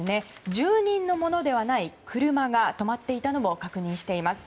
住人のものではない車が止まっていたのを確認しています。